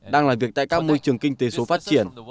đang làm việc tại các môi trường kinh tế số phát triển